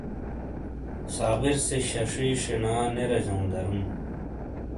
صابر سے ششی شینا نے رجوں درم۔